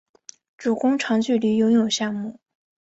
主攻长距离游泳项目。